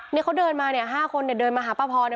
เนี้ยเขาเดินมาเนี้ยห้าคนเนี้ยเดินมาหาป้าพอเนี้ย